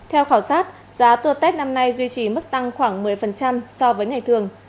theo khảo sát giá tour tết năm nay duy trì mức tăng khoảng một mươi so với ngày thường